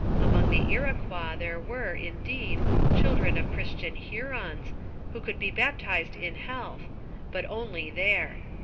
Among the Iroquois there were, indeed, children of Christian Hurons, who could be baptized in health, but only there.